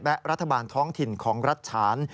และรัฐบาลท้องถิ่นของรัฐฉาน